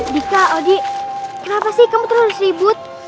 dika odi kenapa sih kamu terus ribut